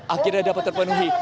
akhirnya dapat terpenuhi